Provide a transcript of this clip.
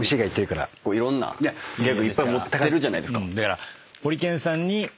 いろんなギャグいっぱい持ってるじゃないですか。